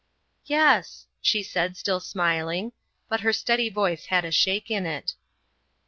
"Yes," she said, still smiling, but her steady voice had a shake in it.